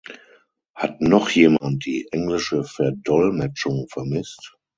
Hat noch jemand die englische Verdolmetschung vermisst?